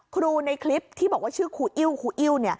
ครูในคลิปที่บอกว่าชื่อครูอิ้วครูอิ้ว